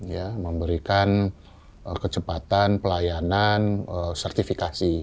ya memberikan kecepatan pelayanan sertifikasi